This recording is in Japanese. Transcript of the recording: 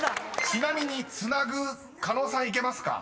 ［ちなみに「ツナぐ」狩野さんいけますか？］